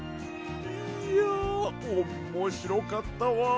いやおんもしろかったわ。